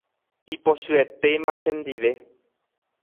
Ipochyetéma chendive.